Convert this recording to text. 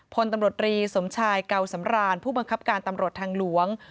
พลตำรวจรีสมชายเก่าสำรานผู้บังคับการตำรวจทางหลวง